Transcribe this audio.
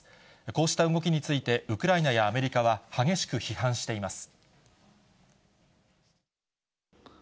こうした動きについて、ウクライナやアメリカは、激しく批判しています。